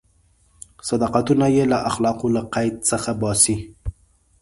صداقتونه یې له اخلاقو له قید څخه باسي.